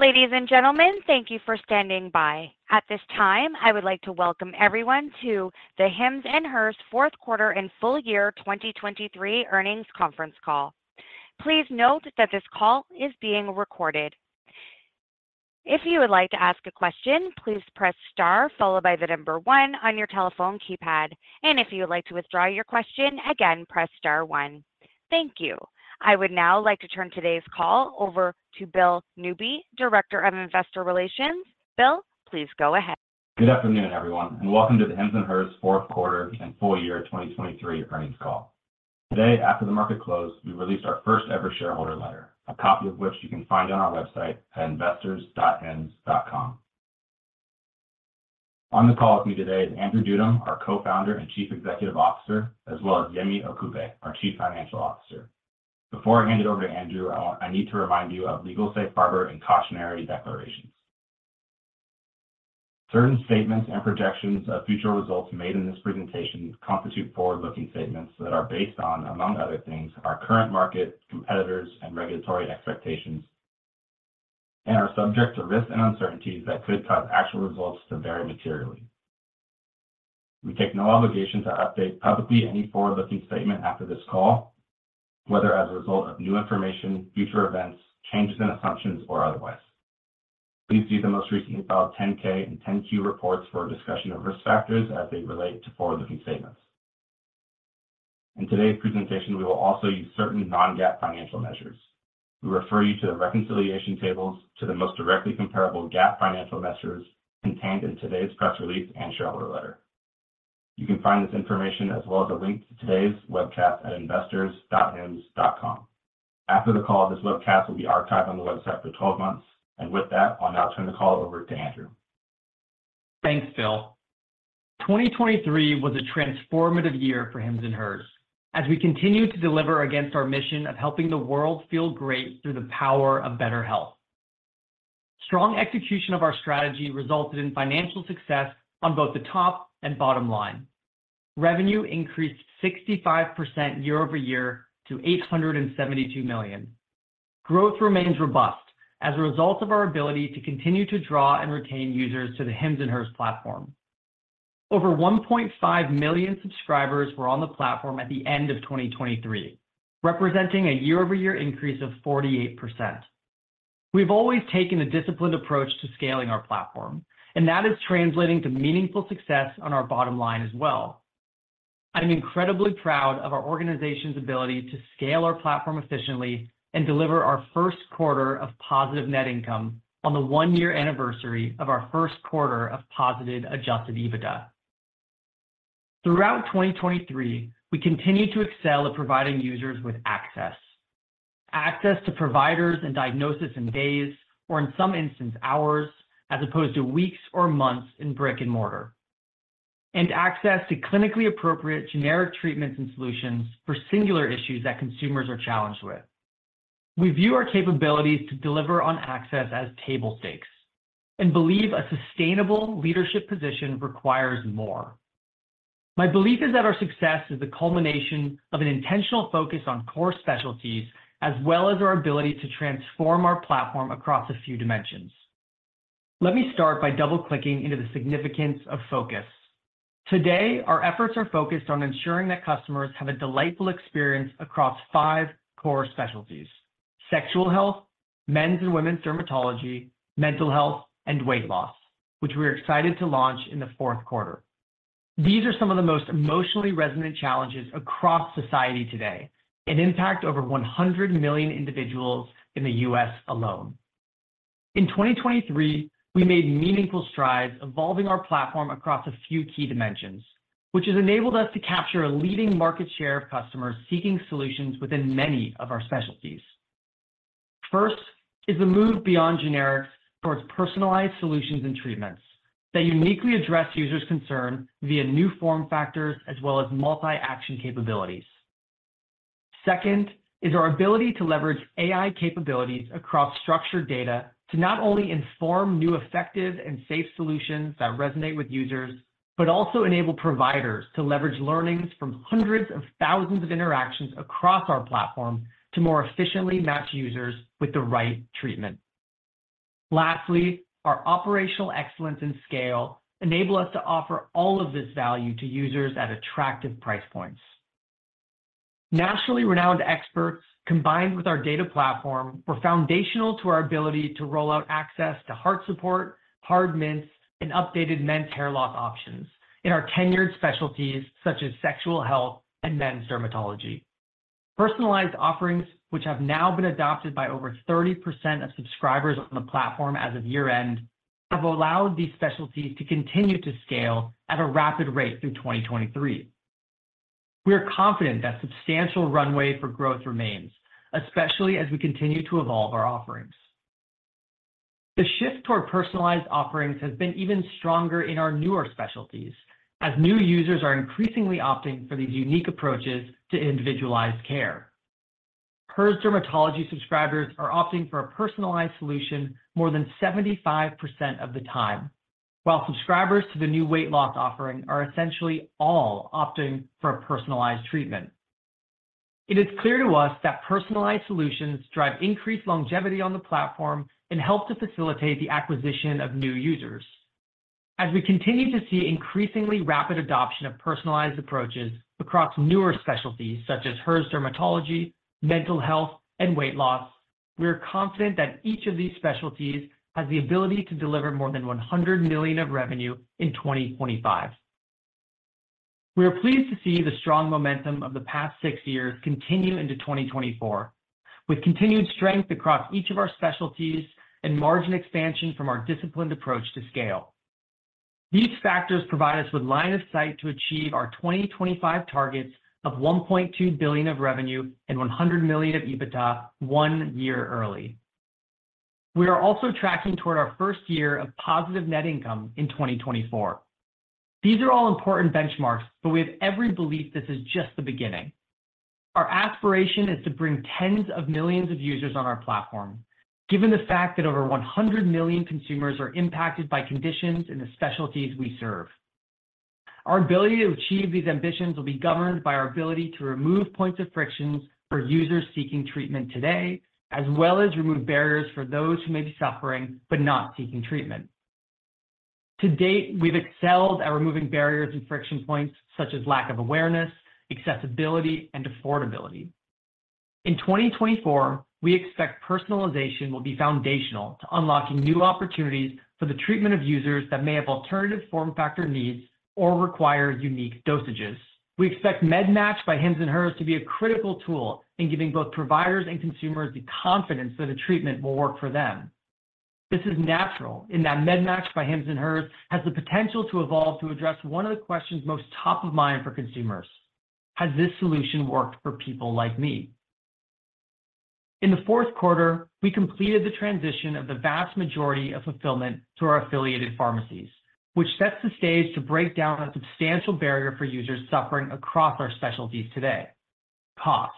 Ladies and gentlemen, thank you for standing by. At this time, I would like to welcome everyone to the Hims & Hers Fourth Quarter and Full Year 2023 Earnings Conference Call. Please note that this call is being recorded. If you would like to ask a question, please press star followed by the number one on your telephone keypad, and if you would like to withdraw your question, again, press star one. Thank you. I would now like to turn today's call over to Bill Newby, Director of Investor Relations. Bill, please go ahead. Good afternoon, everyone, and welcome to the Hims & Hers fourth quarter and full year 2023 earnings call. Today, after the market closed, we released our first-ever shareholder letter, a copy of which you can find on our website at investors.hims.com. On the call with me today is Andrew Dudum, our co-founder and Chief Executive Officer, as well as Yemi Okupe, our Chief Financial Officer. Before I hand it over to Andrew, I need to remind you of legal safe harbor and cautionary declarations. Certain statements and projections of future results made in this presentation constitute forward-looking statements that are based on, among other things, our current market, competitors, and regulatory expectations, and are subject to risks and uncertainties that could cause actual results to vary materially. We take no obligation to update publicly any forward-looking statement after this call, whether as a result of new information, future events, changes in assumptions, or otherwise. Please see the most recently filed 10-K and 10-Q reports for a discussion of risk factors as they relate to forward-looking statements. In today's presentation, we will also use certain non-GAAP financial measures. We refer you to the reconciliation tables to the most directly comparable GAAP financial measures contained in today's press release and shareholder letter. You can find this information as well as a link to today's webcast at investors.hims.com. After the call, this webcast will be archived on the website for 12 months, and with that, I'll now turn the call over to Andrew. Thanks, Bill. 2023 was a transformative year for Hims & Hers as we continue to deliver against our mission of helping the world feel great through the power of better health. Strong execution of our strategy resulted in financial success on both the top and bottom line. Revenue increased 65% year-over-year to $872 million. Growth remains robust as a result of our ability to continue to draw and retain users to the Hims & Hers platform. Over 1.5 million subscribers were on the platform at the end of 2023, representing a year-over-year increase of 48%. We've always taken a disciplined approach to scaling our platform, and that is translating to meaningful success on our bottom line as well. I'm incredibly proud of our organization's ability to scale our platform efficiently and deliver our first quarter of positive net income on the one-year anniversary of our first quarter of positive Adjusted EBITDA. Throughout 2023, we continue to excel at providing users with access: access to providers and diagnosis in days or, in some instances, hours as opposed to weeks or months in brick and mortar, and access to clinically appropriate generic treatments and solutions for singular issues that consumers are challenged with. We view our capabilities to deliver on access as table stakes and believe a sustainable leadership position requires more. My belief is that our success is the culmination of an intentional focus on core specialties as well as our ability to transform our platform across a few dimensions. Let me start by double-clicking into the significance of focus. Today, our efforts are focused on ensuring that customers have a delightful experience across five core specialties: sexual health, men's and women's dermatology, mental health, and weight loss, which we are excited to launch in the fourth quarter. These are some of the most emotionally resonant challenges across society today and impact over 100 million individuals in the U.S. alone. In 2023, we made meaningful strides evolving our platform across a few key dimensions, which has enabled us to capture a leading market share of customers seeking solutions within many of our specialties. First is the move beyond generics towards personalized solutions and treatments that uniquely address users' concerns via new form factors as well as multi-action capabilities. Second is our ability to leverage AI capabilities across structured data to not only inform new effective and safe solutions that resonate with users but also enable providers to leverage learnings from hundreds of thousands of interactions across our platform to more efficiently match users with the right treatment. Lastly, our operational excellence and scale enable us to offer all of this value to users at attractive price points. Nationally renowned experts combined with our data platform were foundational to our ability to roll out access to Heart Support, Hard Mints, and updated men's hair loss options in our tenured specialties such as sexual health and men's dermatology. Personalized offerings, which have now been adopted by over 30% of subscribers on the platform as of year-end, have allowed these specialties to continue to scale at a rapid rate through 2023. We are confident that substantial runway for growth remains, especially as we continue to evolve our offerings. The shift toward personalized offerings has been even stronger in our newer specialties as new users are increasingly opting for these unique approaches to individualized care. Hers dermatology subscribers are opting for a personalized solution more than 75% of the time, while subscribers to the new weight loss offering are essentially all opting for a personalized treatment. It is clear to us that personalized solutions drive increased longevity on the platform and help to facilitate the acquisition of new users. As we continue to see increasingly rapid adoption of personalized approaches across newer specialties such as Hers dermatology, mental health, and weight loss, we are confident that each of these specialties has the ability to deliver more than $100 million of revenue in 2025. We are pleased to see the strong momentum of the past six years continue into 2024, with continued strength across each of our specialties and margin expansion from our disciplined approach to scale. These factors provide us with line of sight to achieve our 2025 targets of $1.2 billion of revenue and $100 million of EBITDA one year early. We are also tracking toward our first year of positive net income in 2024. These are all important benchmarks, but we have every belief this is just the beginning. Our aspiration is to bring tens of millions of users on our platform, given the fact that over 100 million consumers are impacted by conditions in the specialties we serve. Our ability to achieve these ambitions will be governed by our ability to remove points of friction for users seeking treatment today as well as remove barriers for those who may be suffering but not seeking treatment. To date, we've excelled at removing barriers and friction points such as lack of awareness, accessibility, and affordability. In 2024, we expect personalization will be foundational to unlocking new opportunities for the treatment of users that may have alternative form factor needs or require unique dosages. We expect MedMatch by Hims & Hers to be a critical tool in giving both providers and consumers the confidence that a treatment will work for them. This is natural in that MedMatch by Hims & Hers has the potential to evolve to address one of the questions most top of mind for consumers: Has this solution worked for people like me? In the fourth quarter, we completed the transition of the vast majority of fulfillment to our affiliated pharmacies, which sets the stage to break down a substantial barrier for users suffering across our specialties today: cost.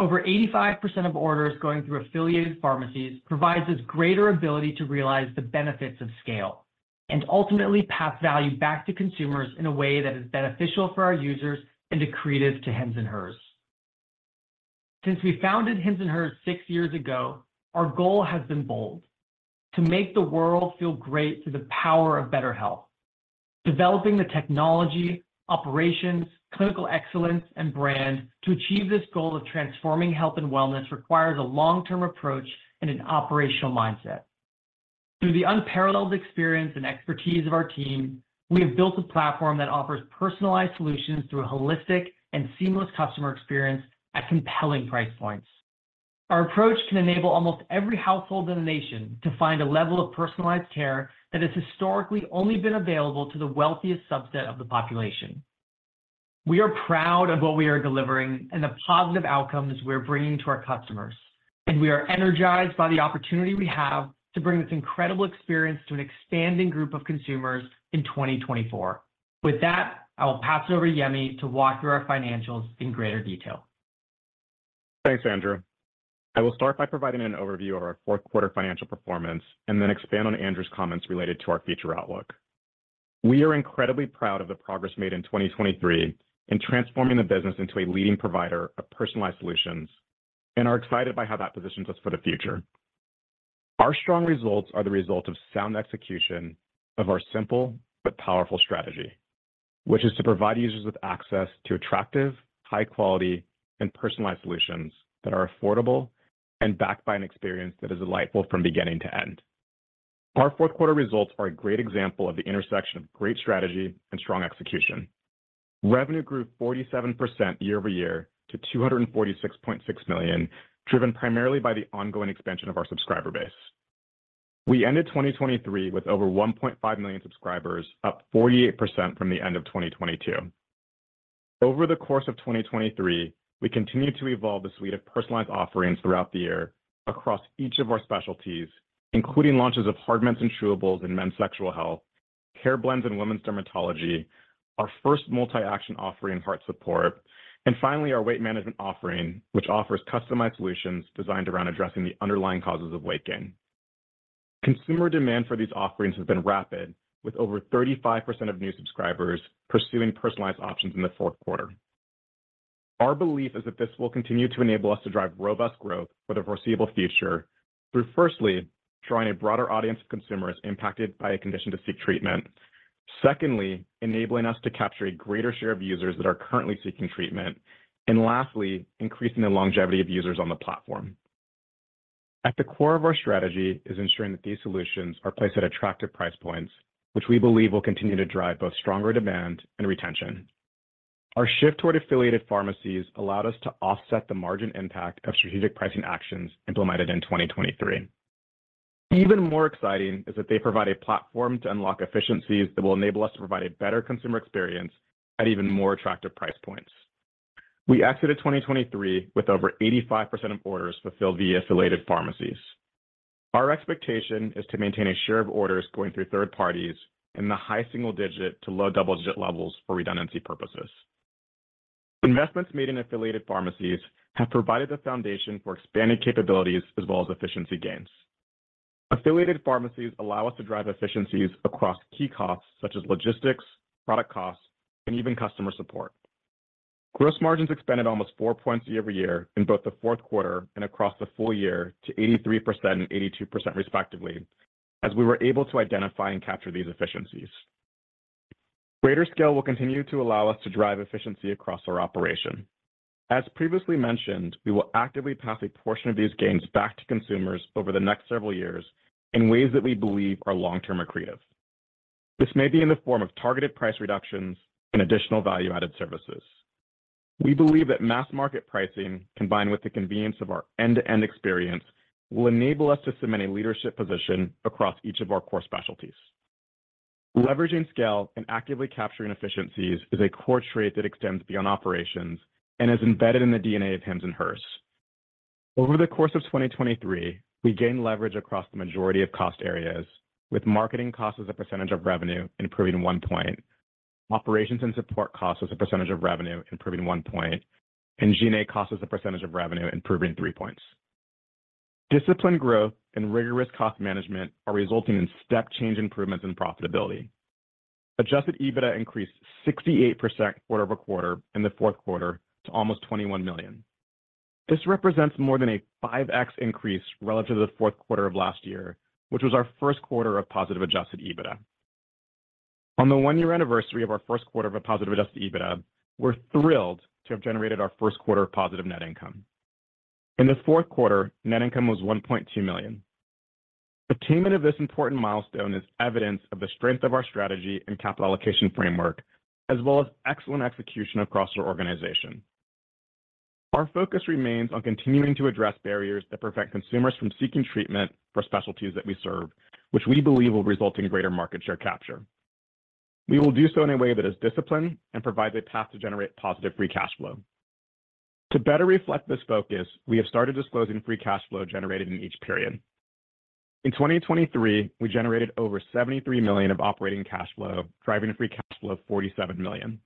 Over 85% of orders going through affiliated pharmacies provides us greater ability to realize the benefits of scale and ultimately pass value back to consumers in a way that is beneficial for our users and accretive to Hims & Hers. Since we founded Hims & Hers six years ago, our goal has been bold: to make the world feel great through the power of better health. Developing the technology, operations, clinical excellence, and brand to achieve this goal of transforming health and wellness requires a long-term approach and an operational mindset. Through the unparalleled experience and expertise of our team, we have built a platform that offers personalized solutions through a holistic and seamless customer experience at compelling price points. Our approach can enable almost every household in the nation to find a level of personalized care that has historically only been available to the wealthiest subset of the population. We are proud of what we are delivering and the positive outcomes we're bringing to our customers, and we are energized by the opportunity we have to bring this incredible experience to an expanding group of consumers in 2024. With that, I will pass it over to Yemi to walk through our financials in greater detail. Thanks, Andrew. I will start by providing an overview of our fourth quarter financial performance and then expand on Andrew's comments related to our future outlook. We are incredibly proud of the progress made in 2023 in transforming the business into a leading provider of personalized solutions, and are excited by how that positions us for the future. Our strong results are the result of sound execution of our simple but powerful strategy, which is to provide users with access to attractive, high-quality, and personalized solutions that are affordable and backed by an experience that is delightful from beginning to end. Our fourth quarter results are a great example of the intersection of great strategy and strong execution. Revenue grew 47% year-over-year to $246.6 million, driven primarily by the ongoing expansion of our subscriber base. We ended 2023 with over 1.5 million subscribers, up 48% from the end of 2022. Over the course of 2023, we continued to evolve the suite of personalized offerings throughout the year across each of our specialties, including launches of Hard Mints and chewables in men's sexual health, Hair Blends in women's dermatology, our first multi-action offering, Heart Support, and finally our weight management offering, which offers customized solutions designed around addressing the underlying causes of weight gain. Consumer demand for these offerings has been rapid, with over 35% of new subscribers pursuing personalized options in the fourth quarter. Our belief is that this will continue to enable us to drive robust growth for the foreseeable future through, firstly, drawing a broader audience of consumers impacted by a condition to seek treatment. Secondly, enabling us to capture a greater share of users that are currently seeking treatment. And lastly, increasing the longevity of users on the platform. At the core of our strategy is ensuring that these solutions are placed at attractive price points, which we believe will continue to drive both stronger demand and retention. Our shift toward affiliated pharmacies allowed us to offset the margin impact of strategic pricing actions implemented in 2023. Even more exciting is that they provide a platform to unlock efficiencies that will enable us to provide a better consumer experience at even more attractive price points. We exited 2023 with over 85% of orders fulfilled via affiliated pharmacies. Our expectation is to maintain a share of orders going through third parties in the high single-digit to low double-digit levels for redundancy purposes. Investments made in affiliated pharmacies have provided the foundation for expanded capabilities as well as efficiency gains. Affiliated pharmacies allow us to drive efficiencies across key costs such as logistics, product costs, and even customer support. Gross margins expanded almost four points year-over-year in both the fourth quarter and across the full year to 83% and 82%, respectively, as we were able to identify and capture these efficiencies. Greater scale will continue to allow us to drive efficiency across our operation. As previously mentioned, we will actively pass a portion of these gains back to consumers over the next several years in ways that we believe are long-term accretive. This may be in the form of targeted price reductions and additional value-added services. We believe that mass market pricing, combined with the convenience of our end-to-end experience, will enable us to cement a leadership position across each of our core specialties. Leveraging scale and actively capturing efficiencies is a core trait that extends beyond operations and is embedded in the DNA of Hims & Hers. Over the course of 2023, we gained leverage across the majority of cost areas, with marketing costs as a percentage of revenue improving 1 point, operations and support costs as a percentage of revenue improving 1 point, and G&A costs as a percentage of revenue improving 3 points. Disciplined growth and rigorous cost management are resulting in step-change improvements in profitability. Adjusted EBITDA increased 68% quarter-over-quarter in the fourth quarter to almost $21 million. This represents more than a 5x increase relative to the fourth quarter of last year, which was our first quarter of positive Adjusted EBITDA. On the one-year anniversary of our first quarter of a positive Adjusted EBITDA, we're thrilled to have generated our first quarter of positive net income. In the fourth quarter, net income was $1.2 million. Attainment of this important milestone is evidence of the strength of our strategy and capital allocation framework as well as excellent execution across our organization. Our focus remains on continuing to address barriers that prevent consumers from seeking treatment for specialties that we serve, which we believe will result in greater market share capture. We will do so in a way that is disciplined and provides a path to generate positive free cash flow. To better reflect this focus, we have started disclosing free cash flow generated in each period. In 2023, we generated over $73 million of operating cash flow, driving a free cash flow of $47 million.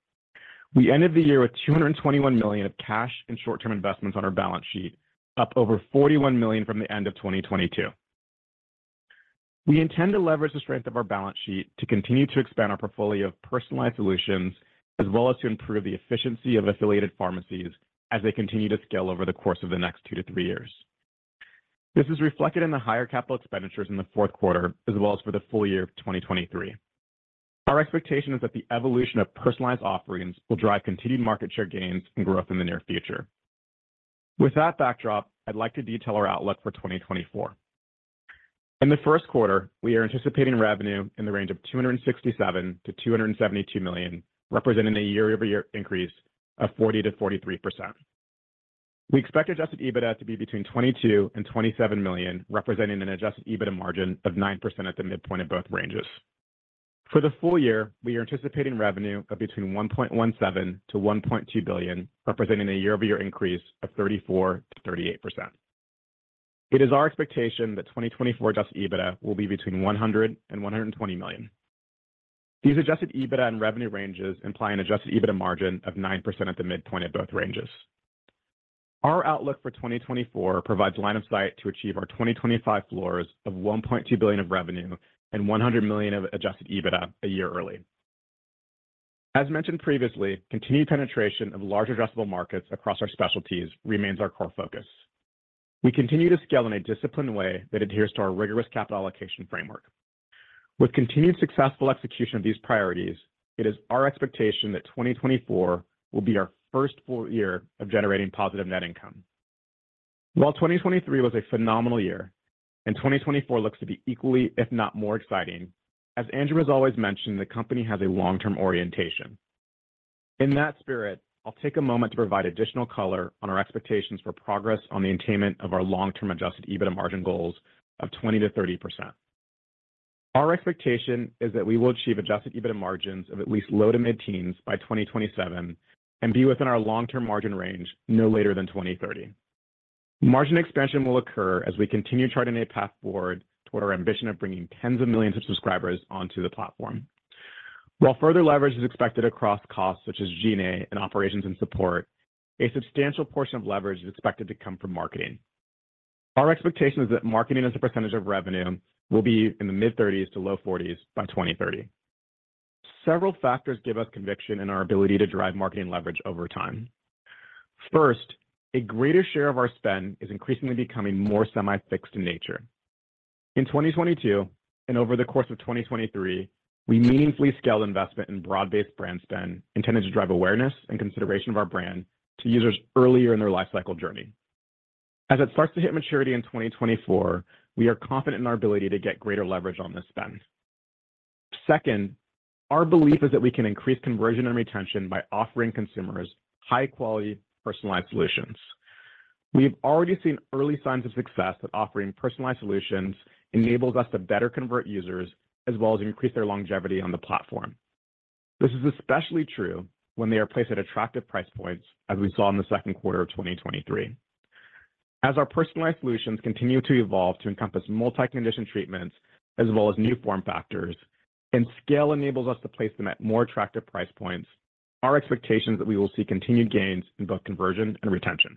We ended the year with $221 million of cash and short-term investments on our balance sheet, up over $41 million from the end of 2022. We intend to leverage the strength of our balance sheet to continue to expand our portfolio of personalized solutions as well as to improve the efficiency of affiliated pharmacies as they continue to scale over the course of the next two to three years. This is reflected in the higher capital expenditures in the fourth quarter as well as for the full year of 2023. Our expectation is that the evolution of personalized offerings will drive continued market share gains and growth in the near future. With that backdrop, I'd like to detail our outlook for 2024. In the first quarter, we are anticipating revenue in the range of $267 million-$272 million, representing a year-over-year increase of 40%-43%. We expect Adjusted EBITDA to be between $22 million and $27 million, representing an Adjusted EBITDA margin of 9% at the midpoint of both ranges. For the full year, we are anticipating revenue of between $1.17 billion-$1.2 billion, representing a year-over-year increase of 34%-38%. It is our expectation that 2024 Adjusted EBITDA will be between $100 million and $120 million. These Adjusted EBITDA and revenue ranges imply an Adjusted EBITDA margin of 9% at the midpoint of both ranges. Our outlook for 2024 provides line of sight to achieve our 2025 floors of $1.2 billion of revenue and $100 million of Adjusted EBITDA a year early. As mentioned previously, continued penetration of large addressable markets across our specialties remains our core focus. We continue to scale in a disciplined way that adheres to our rigorous capital allocation framework. With continued successful execution of these priorities, it is our expectation that 2024 will be our first full year of generating positive net income. While 2023 was a phenomenal year and 2024 looks to be equally, if not more exciting, as Andrew has always mentioned, the company has a long-term orientation. In that spirit, I'll take a moment to provide additional color on our expectations for progress on the attainment of our long-term Adjusted EBITDA margin goals of 20%-30%. Our expectation is that we will achieve Adjusted EBITDA margins of at least low- to mid-teens% by 2027 and be within our long-term margin range no later than 2030. Margin expansion will occur as we continue charting a path forward toward our ambition of bringing tens of millions of subscribers onto the platform. While further leverage is expected across costs such as G&A and operations and support, a substantial portion of leverage is expected to come from marketing. Our expectation is that marketing as a percentage of revenue will be in the mid-30s%-low 40s% by 2030. Several factors give us conviction in our ability to drive marketing leverage over time. First, a greater share of our spend is increasingly becoming more semi-fixed in nature. In 2022 and over the course of 2023, we meaningfully scaled investment in broad-based brand spend intended to drive awareness and consideration of our brand to users earlier in their life cycle journey. As it starts to hit maturity in 2024, we are confident in our ability to get greater leverage on this spend. Second, our belief is that we can increase conversion and retention by offering consumers high-quality, personalized solutions. We've already seen early signs of success that offering personalized solutions enables us to better convert users as well as increase their longevity on the platform. This is especially true when they are placed at attractive price points, as we saw in the second quarter of 2023. As our personalized solutions continue to evolve to encompass multi-condition treatments as well as new form factors and scale enables us to place them at more attractive price points, our expectation is that we will see continued gains in both conversion and retention.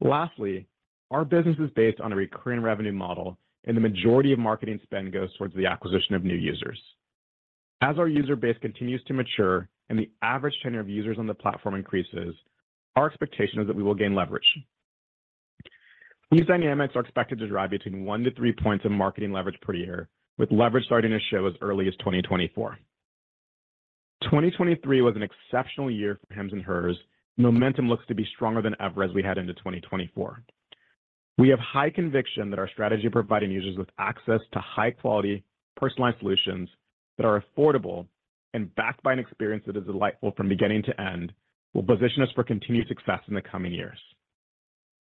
Lastly, our business is based on a recurring revenue model, and the majority of marketing spend goes towards the acquisition of new users. As our user base continues to mature and the average tenure of users on the platform increases, our expectation is that we will gain leverage. These dynamics are expected to drive between 1-3 points of marketing leverage per year, with leverage starting to show as early as 2024. 2023 was an exceptional year for Hims & Hers. Momentum looks to be stronger than ever as we head into 2024. We have high conviction that our strategy of providing users with access to high-quality, personalized solutions that are affordable and backed by an experience that is delightful from beginning to end will position us for continued success in the coming years.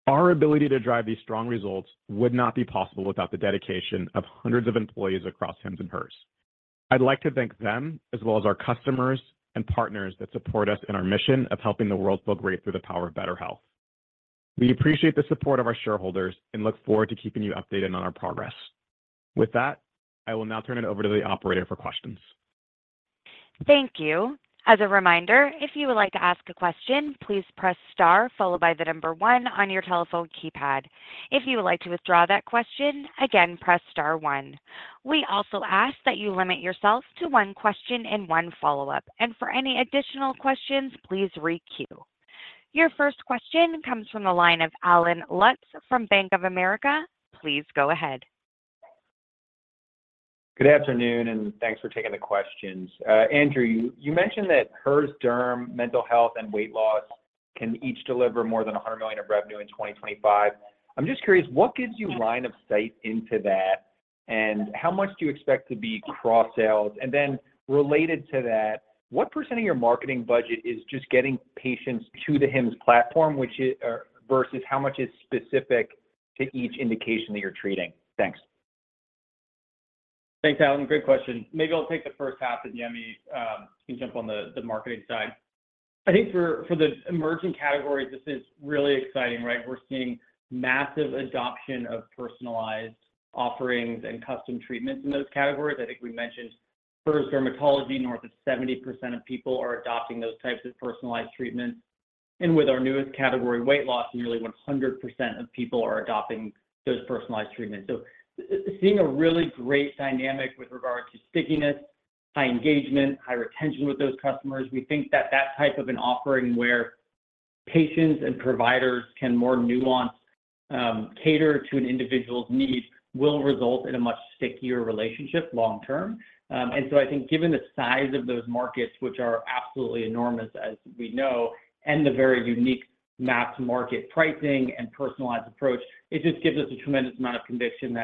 Our ability to drive these strong results would not be possible without the dedication of hundreds of employees across Hims & Hers. I'd like to thank them as well as our customers and partners that support us in our mission of helping the world feel great through the power of better health. We appreciate the support of our shareholders and look forward to keeping you updated on our progress. With that, I will now turn it over to the operator for questions. Thank you. As a reminder, if you would like to ask a question, please press star followed by the number 1 on your telephone keypad. If you would like to withdraw that question, again, press star 1. We also ask that you limit yourself to one question and one follow-up, and for any additional questions, please re-queue. Your first question comes from the line of Allen Lutz from Bank of America. Please go ahead. Good afternoon, and thanks for taking the questions. Andrew, you mentioned that Hers, Derm, Mental Health and Weight Loss can each deliver more than $100 million of revenue in 2025. I'm just curious, what gives you line of sight into that, and how much do you expect to be cross-sales? And then related to that, what percent of your marketing budget is just getting patients to the Hims platform versus how much is specific to each indication that you're treating? Thanks. Thanks, Allen. Great question. Maybe I'll take the first half, and Yemi, you can jump on the marketing side. I think for the emerging categories, this is really exciting, right? We're seeing massive adoption of personalized offerings and custom treatments in those categories. I think we mentioned Hers Dermatology. North of 70% of people are adopting those types of personalized treatments. And with our newest category, Weight Loss, nearly 100% of people are adopting those personalized treatments. So seeing a really great dynamic with regard to stickiness, high engagement, high retention with those customers, we think that that type of an offering where patients and providers can more nuanced cater to an individual's needs will result in a much stickier relationship long term. I think given the size of those markets, which are absolutely enormous as we know, and the very unique mass market pricing and personalized approach, it just gives us a tremendous amount of conviction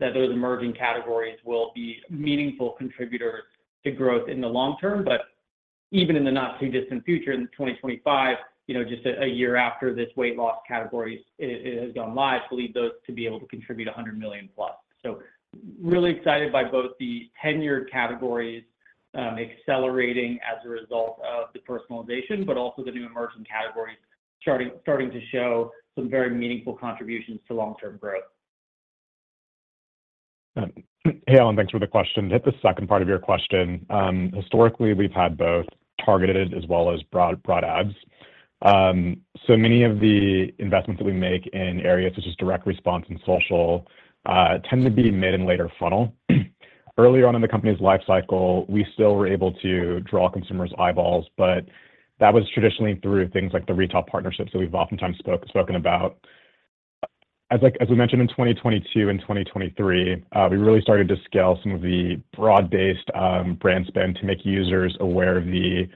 that those emerging categories will be meaningful contributors to growth in the long term. Even in the not-too-distant future, in 2025, just a year after this Weight Loss category has gone live, we believe those to be able to contribute $100 million+. Really excited by both the tenured categories accelerating as a result of the personalization, but also the new emerging categories starting to show some very meaningful contributions to long-term growth. Hey, Allen. Thanks for the question. To hit the second part of your question, historically, we've had both targeted as well as broad ads. So many of the investments that we make in areas such as direct response and social tend to be mid and later funnel. Earlier on in the company's life cycle, we still were able to draw consumers' eyeballs, but that was traditionally through things like the retail partnerships that we've oftentimes spoken about. As we mentioned, in 2022 and 2023, we really started to scale some of the broad-based brand spend to make users aware of the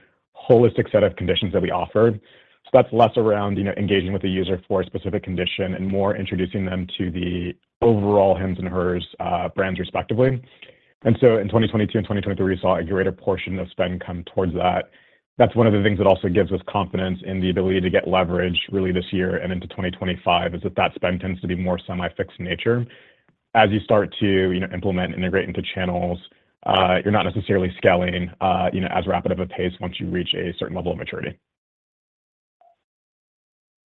holistic set of conditions that we offered. So that's less around engaging with a user for a specific condition and more introducing them to the overall Hims & Hers brands, respectively. And so in 2022 and 2023, we saw a greater portion of spend come towards that. That's one of the things that also gives us confidence in the ability to get leverage really this year and into 2025, is that that spend tends to be more semi-fixed in nature. As you start to implement and integrate into channels, you're not necessarily scaling as rapid of a pace once you reach a certain level of maturity.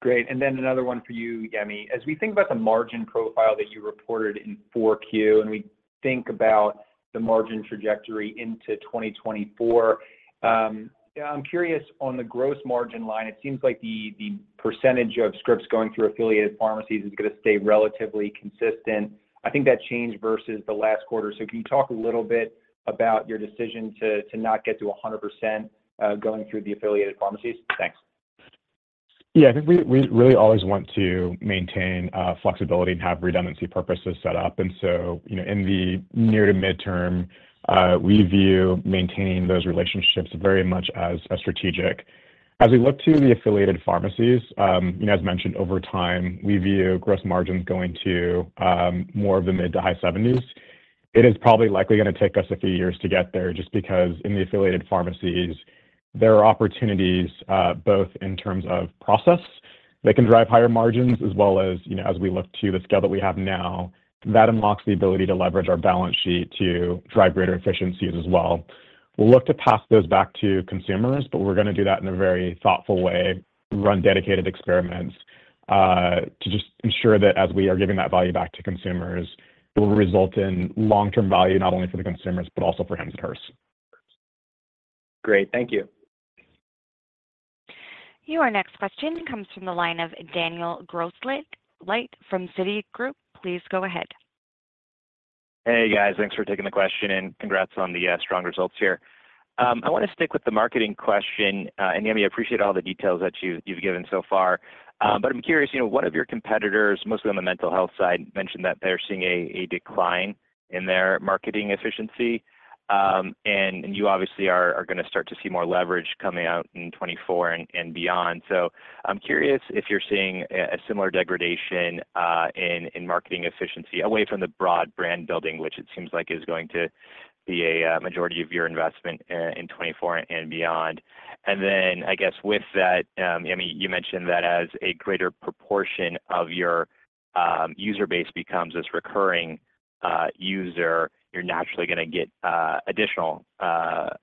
Great. Then another one for you, Yemi. As we think about the margin profile that you reported in 4Q and we think about the margin trajectory into 2024, I'm curious, on the gross margin line, it seems like the percentage of scripts going through affiliated pharmacies is going to stay relatively consistent. I think that changed versus the last quarter. So can you talk a little bit about your decision to not get to 100% going through the affiliated pharmacies? Thanks. Yeah. I think we really always want to maintain flexibility and have redundancy purposes set up. And so in the near- to mid-term, we view maintaining those relationships very much as strategic. As we look to the affiliated pharmacies, as mentioned, over time, we view gross margins going to more of the mid- to high 70s. It is probably likely going to take us a few years to get there just because in the affiliated pharmacies, there are opportunities both in terms of process that can drive higher margins as well as, as we look to the scale that we have now, that unlocks the ability to leverage our balance sheet to drive greater efficiencies as well. We'll look to pass those back to consumers, but we're going to do that in a very thoughtful way, run dedicated experiments to just ensure that as we are giving that value back to consumers, it will result in long-term value not only for the consumers but also for Hims & Hers. Great. Thank you. Your next question comes from the line of Daniel Grosslight from Citigroup. Please go ahead. Hey, guys. Thanks for taking the question, and congrats on the strong results here. I want to stick with the marketing question. Yemi, I appreciate all the details that you've given so far, but I'm curious, one of your competitors, mostly on the mental health side, mentioned that they're seeing a decline in their marketing efficiency. You obviously are going to start to see more leverage coming out in 2024 and beyond. I'm curious if you're seeing a similar degradation in marketing efficiency away from the broad brand building, which it seems like is going to be a majority of your investment in 2024 and beyond. Then, I guess, with that, Yemi, you mentioned that as a greater proportion of your user base becomes this recurring user, you're naturally going to get additional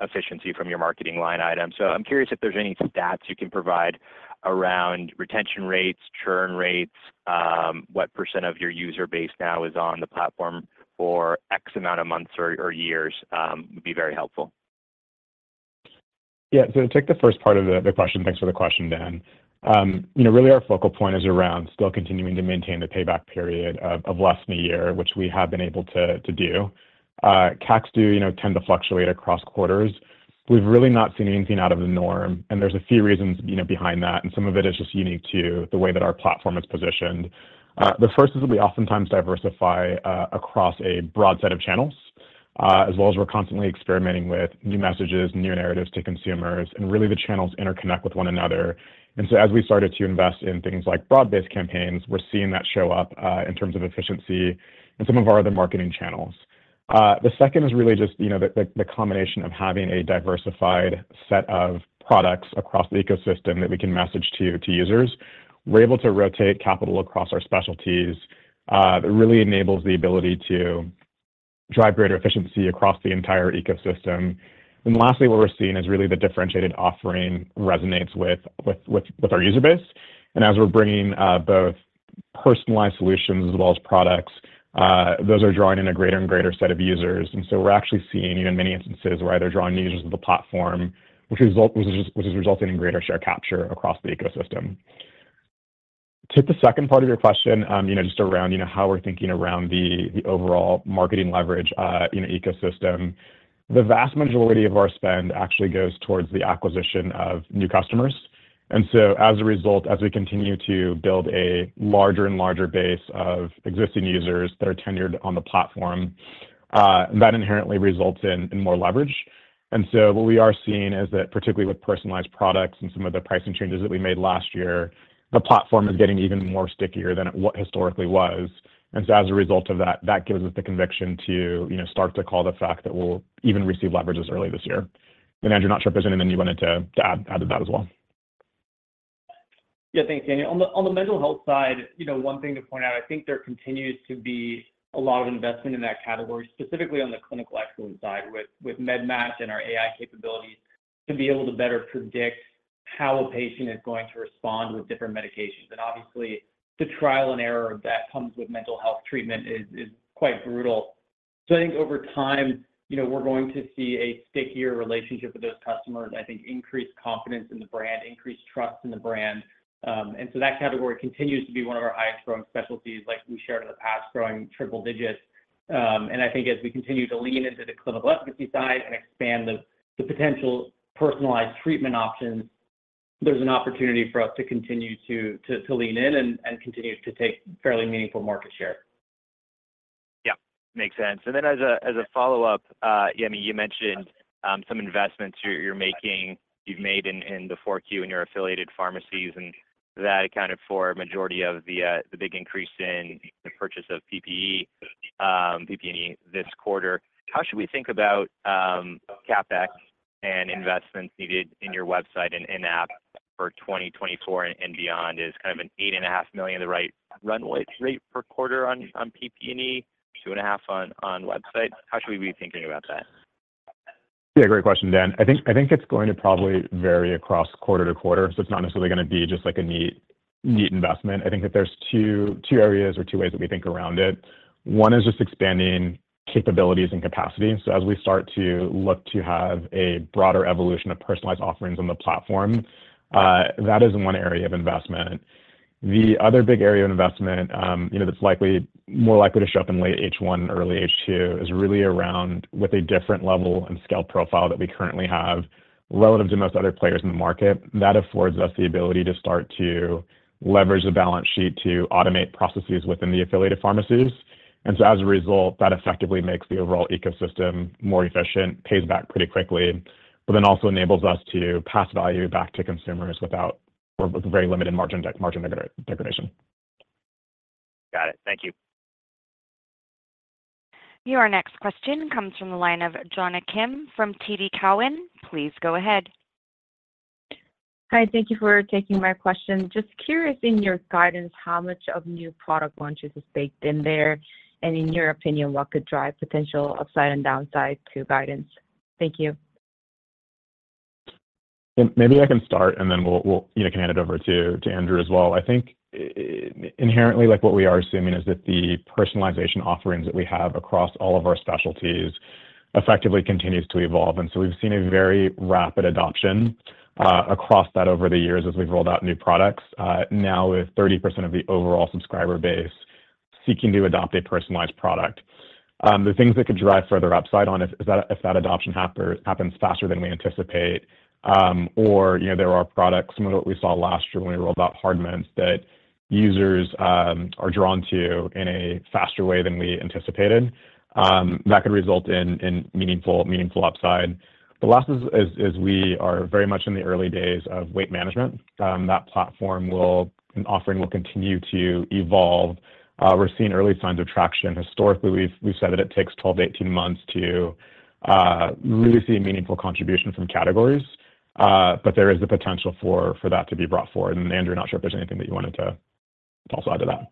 efficiency from your marketing line items. I'm curious if there's any stats you can provide around retention rates, churn rates, what percent of your user base now is on the platform for X amount of months or years. It would be very helpful. Yeah. So to take the first part of the question, thanks for the question, Dan. Really, our focal point is around still continuing to maintain the payback period of less than a year, which we have been able to do. CACs do tend to fluctuate across quarters. We've really not seen anything out of the norm, and there's a few reasons behind that. And some of it is just unique to the way that our platform is positioned. The first is that we oftentimes diversify across a broad set of channels, as well as we're constantly experimenting with new messages, new narratives to consumers, and really the channels interconnect with one another. And so as we started to invest in things like broad-based campaigns, we're seeing that show up in terms of efficiency in some of our other marketing channels. The second is really just the combination of having a diversified set of products across the ecosystem that we can message to users. We're able to rotate capital across our specialties. It really enables the ability to drive greater efficiency across the entire ecosystem. And lastly, what we're seeing is really the differentiated offering resonates with our user base. And as we're bringing both personalized solutions as well as products, those are drawing in a greater and greater set of users. And so we're actually seeing in many instances where they're drawing new users to the platform, which is resulting in greater share capture across the ecosystem. To hit the second part of your question, just around how we're thinking around the overall marketing leverage ecosystem, the vast majority of our spend actually goes towards the acquisition of new customers. And so as a result, as we continue to build a larger and larger base of existing users that are tenured on the platform, that inherently results in more leverage. And so what we are seeing is that, particularly with personalized products and some of the pricing changes that we made last year, the platform is getting even more stickier than what historically was. And so as a result of that, that gives us the conviction to start to call the fact that we'll even receive leverages early this year. And Andrew, I'm not sure if there's anything you wanted to add to that as well. Yeah. Thanks, Daniel. On the mental health side, one thing to point out, I think there continues to be a lot of investment in that category, specifically on the clinical excellence side with MedMatch and our AI capabilities to be able to better predict how a patient is going to respond with different medications. And obviously, the trial and error that comes with mental health treatment is quite brutal. So I think over time, we're going to see a stickier relationship with those customers, I think increased confidence in the brand, increased trust in the brand. And so that category continues to be one of our highest-growing specialties, like we shared in the past, growing triple digits. I think as we continue to lean into the clinical efficacy side and expand the potential personalized treatment options, there's an opportunity for us to continue to lean in and continue to take fairly meaningful market share. Yeah. Makes sense. And then as a follow-up, Yemi, you mentioned some investments you've made in the 4Q in your affiliated pharmacies, and that accounted for a majority of the big increase in the purchase of PP&E this quarter. How should we think about CapEx and investments needed in your website and app for 2024 and beyond? Is kind of an $8.5 million the right run rate per quarter on PP&E, $2.5 on website? How should we be thinking about that? Yeah. Great question, Dan. I think it's going to probably vary across quarter to quarter, so it's not necessarily going to be just a neat investment. I think that there's two areas or two ways that we think around it. One is just expanding capabilities and capacity. So as we start to look to have a broader evolution of personalized offerings on the platform, that is one area of investment. The other big area of investment that's more likely to show up in late H1, early H2 is really around with a different level and scale profile that we currently have relative to most other players in the market. That affords us the ability to start to leverage the balance sheet to automate processes within the affiliated pharmacies. And so as a result, that effectively makes the overall ecosystem more efficient, pays back pretty quickly, but then also enables us to pass value back to consumers with very limited margin degradation. Got it. Thank you. Your next question comes from the line of Jonna Kim from TD Cowen. Please go ahead. Hi. Thank you for taking my question. Just curious, in your guidance, how much of new product launches is baked in there? And in your opinion, what could drive potential upside and downside to guidance? Thank you. Maybe I can start, and then we can hand it over to Andrew as well. I think inherently, what we are assuming is that the personalization offerings that we have across all of our specialties effectively continues to evolve. And so we've seen a very rapid adoption across that over the years as we've rolled out new products, now with 30% of the overall subscriber base seeking to adopt a personalized product. The things that could drive further upside on is if that adoption happens faster than we anticipate, or there are products, some of what we saw last year when we rolled out Hard Mints that users are drawn to in a faster way than we anticipated, that could result in meaningful upside. The last is we are very much in the early days of weight management. That platform and offering will continue to evolve. We're seeing early signs of traction. Historically, we've said that it takes 12-18 months to really see a meaningful contribution from categories, but there is the potential for that to be brought forward. Andrew, I'm not sure if there's anything that you wanted to toss out to that.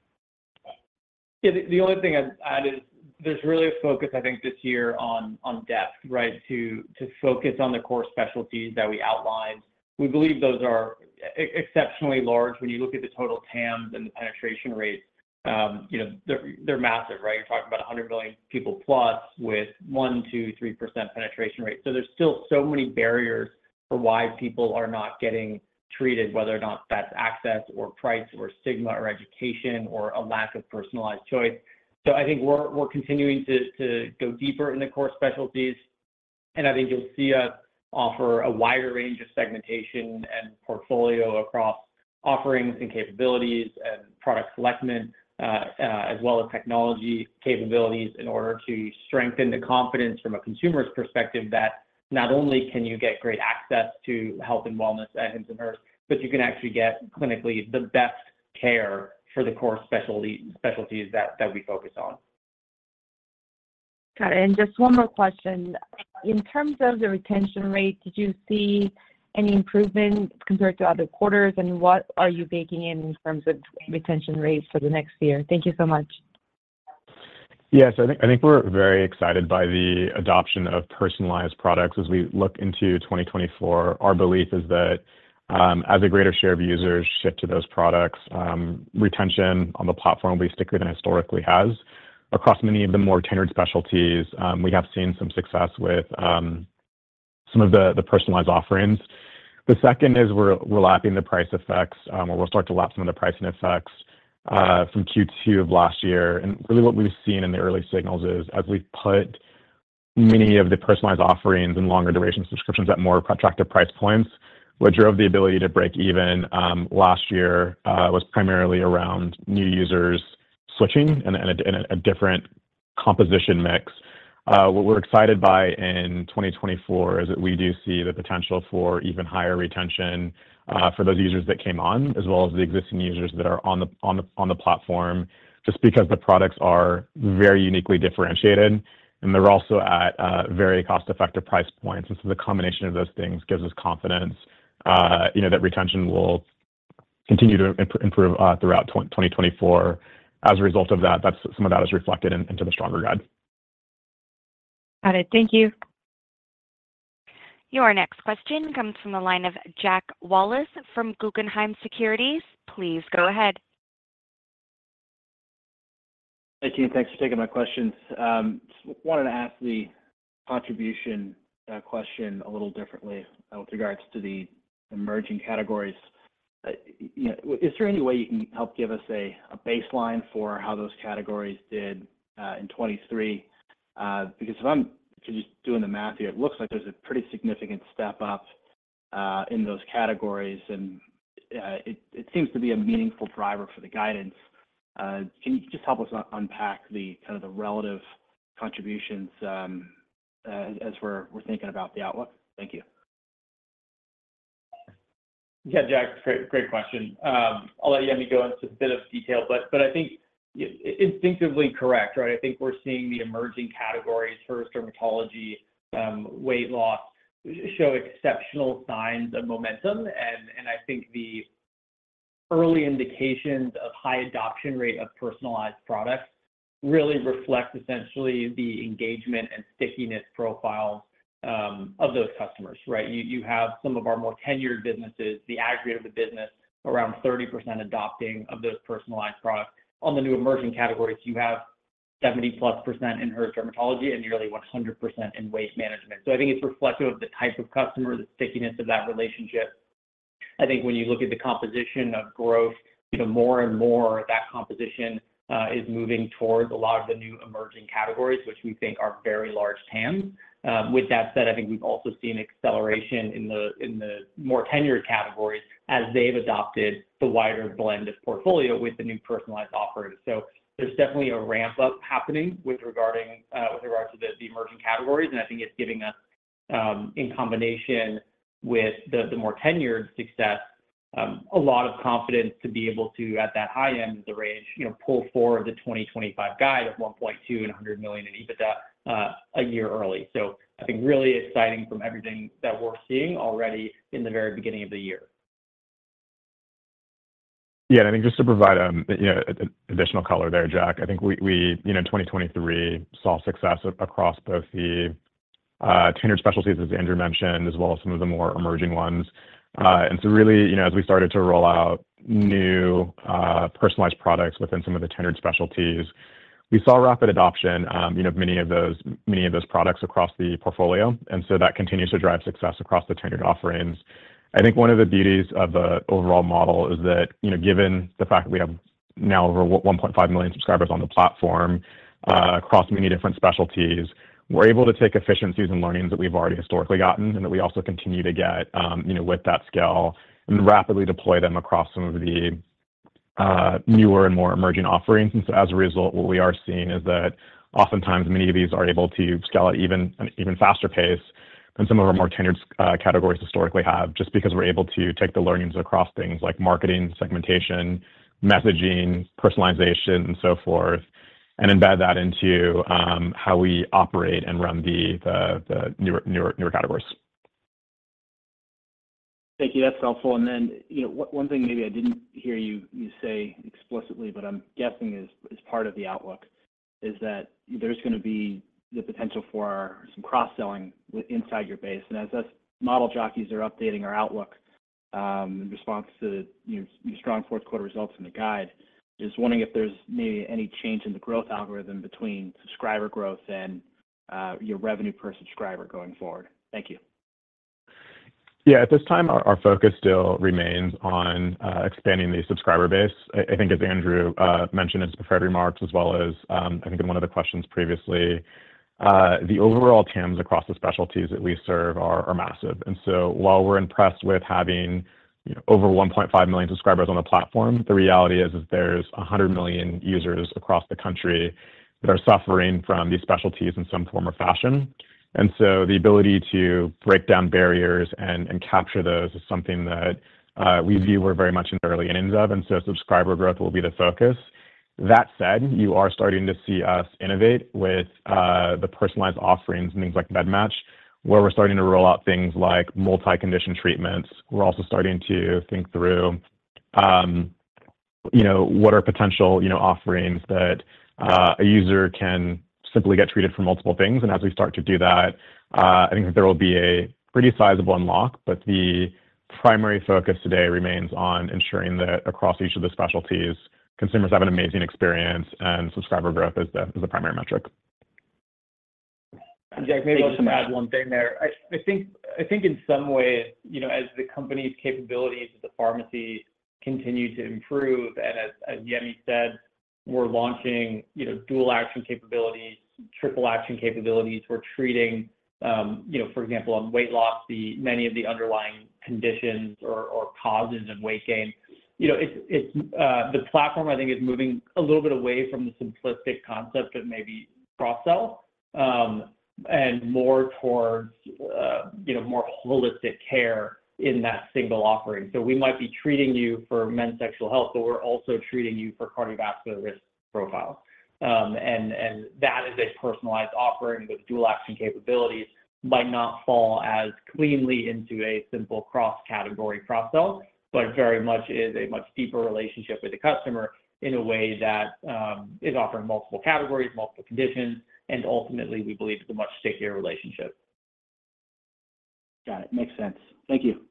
Yeah. The only thing I'd add is there's really a focus, I think, this year on depth, right, to focus on the core specialties that we outlined. We believe those are exceptionally large. When you look at the total TAMs and the penetration rates, they're massive, right? You're talking about 100 million people plus with 1%, 2%, 3% penetration rate. So there's still so many barriers for why people are not getting treated, whether or not that's access or price or stigma or education or a lack of personalized choice. So I think we're continuing to go deeper in the core specialties. I think you'll see us offer a wider range of segmentation and portfolio across offerings and capabilities and product selection as well as technology capabilities in order to strengthen the confidence from a consumer's perspective that not only can you get great access to health and wellness at Hims & Hers, but you can actually get clinically the best care for the core specialties that we focus on. Got it. Just one more question. In terms of the retention rate, did you see any improvement compared to other quarters, and what are you baking in in terms of retention rates for the next year? Thank you so much. Yeah. So I think we're very excited by the adoption of personalized products as we look into 2024. Our belief is that as a greater share of users shift to those products, retention on the platform will be stickier than it historically has. Across many of the more tenured specialties, we have seen some success with some of the personalized offerings. The second is we're lapping the price effects, or we'll start to lap some of the pricing effects from Q2 of last year. And really, what we've seen in the early signals is as we've put many of the personalized offerings and longer-duration subscriptions at more attractive price points, what drove the ability to break even last year was primarily around new users switching and a different composition mix. What we're excited by in 2024 is that we do see the potential for even higher retention for those users that came on as well as the existing users that are on the platform just because the products are very uniquely differentiated, and they're also at very cost-effective price points. And so the combination of those things gives us confidence that retention will continue to improve throughout 2024. As a result of that, some of that is reflected into the stronger guide. Got it. Thank you. Your next question comes from the line of Jack Wallace from Guggenheim Securities. Please go ahead. Hey, team. Thanks for taking my questions. I wanted to ask the contribution question a little differently with regards to the emerging categories. Is there any way you can help give us a baseline for how those categories did in 2023? Because if I'm just doing the math here, it looks like there's a pretty significant step up in those categories, and it seems to be a meaningful driver for the guidance. Can you just help us unpack kind of the relative contributions as we're thinking about the outlook? Thank you. Yeah, Jack. Great question. I'll let Yemi go into a bit of detail, but I think instinctively correct, right? I think we're seeing the emerging categories, first, dermatology, weight loss, show exceptional signs of momentum. And I think the early indications of high adoption rate of personalized products really reflect essentially the engagement and stickiness profiles of those customers, right? You have some of our more tenured businesses, the aggregate of the business, around 30% adopting of those personalized products. On the new emerging categories, you have 70%+ in Hers dermatology and nearly 100% in weight management. So I think it's reflective of the type of customer, the stickiness of that relationship. I think when you look at the composition of growth, more and more of that composition is moving towards a lot of the new emerging categories, which we think are very large TAMs. With that said, I think we've also seen acceleration in the more tenured categories as they've adopted the wider blend of portfolio with the new personalized offerings. So there's definitely a ramp-up happening with regard to the emerging categories, and I think it's giving us, in combination with the more tenured success, a lot of confidence to be able to, at that high end of the range, pull forward the 2025 guide of $1.2 billion and $100 million in EBITDA a year early. So I think really exciting from everything that we're seeing already in the very beginning of the year. Yeah. And I think just to provide additional color there, Jack, I think we, in 2023, saw success across both the tenured specialties, as Andrew mentioned, as well as some of the more emerging ones. And so really, as we started to roll out new personalized products within some of the tenured specialties, we saw rapid adoption of many of those products across the portfolio. And so that continues to drive success across the tenured offerings. I think one of the beauties of the overall model is that, given the fact that we have now over 1.5 million subscribers on the platform across many different specialties, we're able to take efficiencies and learnings that we've already historically gotten and that we also continue to get with that scale and rapidly deploy them across some of the newer and more emerging offerings. And so as a result, what we are seeing is that oftentimes, many of these are able to scale at an even faster pace than some of our more tenured categories historically have just because we're able to take the learnings across things like marketing, segmentation, messaging, personalization, and so forth, and embed that into how we operate and run the newer categories. Thank you. That's helpful. Then one thing maybe I didn't hear you say explicitly, but I'm guessing is part of the outlook, is that there's going to be the potential for some cross-selling inside your base. As us model jockeys are updating our outlook in response to your strong fourth-quarter results in the guide, just wondering if there's maybe any change in the growth algorithm between subscriber growth and revenue per subscriber going forward. Thank you. Yeah. At this time, our focus still remains on expanding the subscriber base. I think, as Andrew mentioned in some of prepared remarks, as well as I think in one of the questions previously, the overall TAMs across the specialties that we serve are massive. And so while we're impressed with having over 1.5 million subscribers on the platform, the reality is there's 100 million users across the country that are suffering from these specialties in some form or fashion. And so the ability to break down barriers and capture those is something that we view we're very much in the early innings of. And so subscriber growth will be the focus. That said, you are starting to see us innovate with the personalized offerings and things like MedMatch, where we're starting to roll out things like multi-condition treatments. We're also starting to think through what are potential offerings that a user can simply get treated for multiple things. As we start to do that, I think that there will be a pretty sizable unlock. The primary focus today remains on ensuring that across each of the specialties, consumers have an amazing experience, and subscriber growth is the primary metric. Jack, maybe I'll just add one thing there. I think in some ways, as the company's capabilities of the pharmacy continue to improve, and as Yemi said, we're launching dual-action capabilities, triple-action capabilities. We're treating, for example, on weight loss, many of the underlying conditions or causes of weight gain. The platform, I think, is moving a little bit away from the simplistic concept of maybe cross-sell and more towards more holistic care in that single offering. So we might be treating you for men's sexual health, but we're also treating you for cardiovascular risk profiles. And that is a personalized offering with dual-action capabilities. It might not fall as cleanly into a simple cross-category cross-sell, but very much is a much deeper relationship with the customer in a way that is offering multiple categories, multiple conditions. And ultimately, we believe it's a much stickier relationship. Got it. Makes sense. Thank you.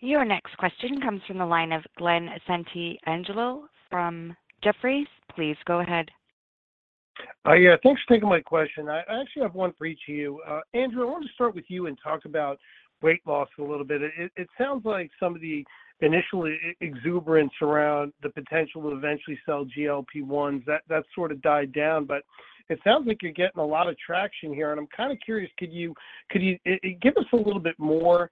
Your next question comes from the line of Glen Santangelo from Jefferies. Please go ahead. Yeah. Thanks for taking my question. I actually have one for each of you. Andrew, I wanted to start with you and talk about weight loss a little bit. It sounds like some of the initial exuberance around the potential to eventually sell GLP-1s, that sort of died down. But it sounds like you're getting a lot of traction here. And I'm kind of curious, could you give us a little bit more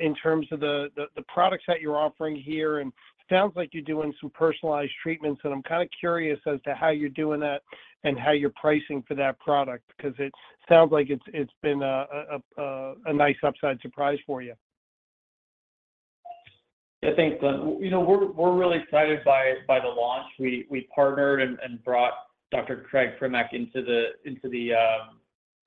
in terms of the products that you're offering here? And it sounds like you're doing some personalized treatments. And I'm kind of curious as to how you're doing that and how you're pricing for that product because it sounds like it's been a nice upside surprise for you. Yeah. Thanks, Glen. We're really excited by the launch. We partnered and brought Dr. Craig Primack into the